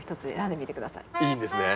いいんですね？